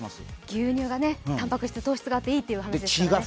牛乳が、たんぱく質、糖質があっていいという話ですから。